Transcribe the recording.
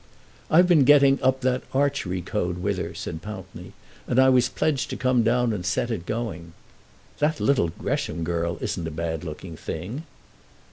"I've been getting up that archery code with her," said Pountney, "and I was pledged to come down and set it going. That little Gresham girl isn't a bad looking thing."